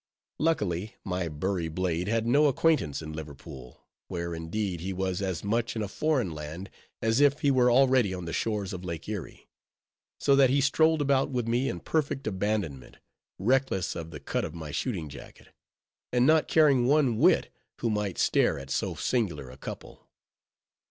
Luckily, my Bury blade had no acquaintance in Liverpool, where, indeed, he was as much in a foreign land, as if he were already on the shores of Lake Erie; so that he strolled about with me in perfect abandonment; reckless of the cut of my shooting jacket; and not caring one whit who might stare at so singular a couple.